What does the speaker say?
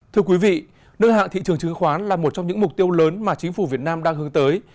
thưa quý vị nâng hạng thị trường chứng khoán là một trong những mục tiêu lớn mà chính phủ việt nam đang hướng tới